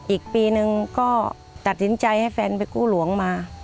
อีกปีนึงก็ตัดสินใจให้แฟนไปกู้หลวงมา